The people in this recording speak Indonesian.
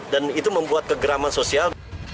dan itu membuat kegeraman sosial